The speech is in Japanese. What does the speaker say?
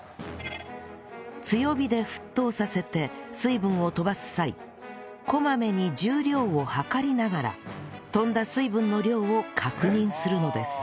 強火で沸騰させて水分を飛ばす際こまめに重量を量りながら飛んだ水分の量を確認するのです